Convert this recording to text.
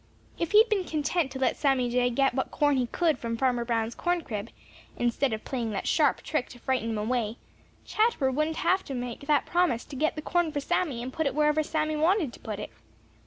If he had been content to let Sammy Jay get what corn he could from Farmer Brown's corn crib, instead of playing that sharp trick to frighten him away, Chatterer wouldn't have had to make that promise to get the corn for Sammy and put it wherever Sammy wanted it put.